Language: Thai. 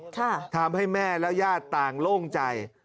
ทำให้แม่และญาติต่างโล่งใจ